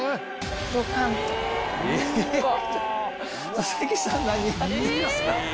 佐々木さん何やってんすか。